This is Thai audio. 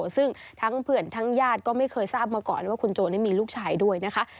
ซึ่งทั้งเพื่อนทั้งญาติก็ไม่เคยทราบมาก่อนว่าคุณโจนี่มีลูกชายด้วยนะคะ